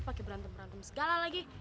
pakai berantem berantem segala lagi